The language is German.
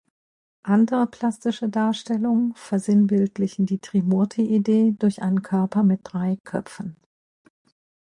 Andere plastische Darstellungen versinnbildlichen die Trimurti-Idee durch einen Körper mit drei Köpfen.